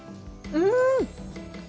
うん！